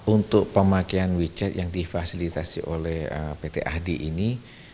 untuk pemakaian wechat yang difasilitasi oleh pt ahdi ini